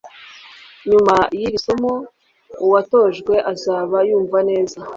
nyuma y'iri somo, uwatojwe azaba yumva neza